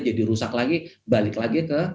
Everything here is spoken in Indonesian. jadi rusak lagi balik lagi ke